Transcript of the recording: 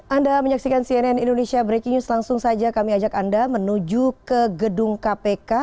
anda menyaksikan cnn indonesia breaking news langsung saja kami ajak anda menuju ke gedung kpk